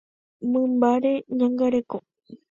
Mymbáre ñeñangareko.